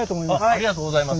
ありがとうございます。